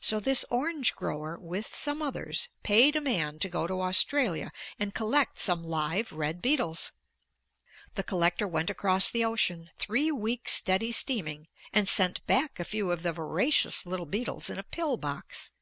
So this orange grower, with some others, paid a man to go to Australia and collect some live red beetles. The collector went across the ocean, three weeks' steady steaming, and sent back a few of the voracious little beetles in a pill box.